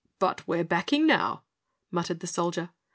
"But we're backing now," muttered the Soldier.